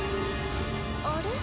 あれ？